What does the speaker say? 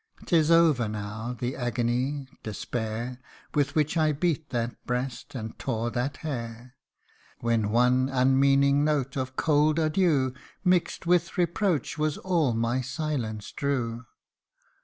'Tis over now the agony, despair, With which I beat that breast, and tore that hair ; When one unmeaning note of cold adieu, Mixed with reproach, was all my silence drew.